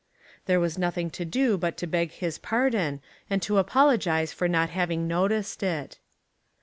There was nothing to do but to beg his pardon and to apologise for not having no ticed it.